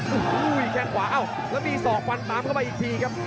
อู้หู้แค่ขวาเอ้าแล้วมีสองฟันตามเข้าไปอีกทีครับ